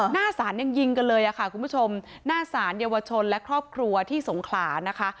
หน้าศาลยังยิงกันเลยค่ะคุณผู้ชมหน้าศาลเยาวชนและครอบครัวที่สงขลานะคะ